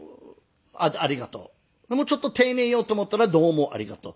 もうちょっと丁寧に言おうと思ったら「どうもありがとう」。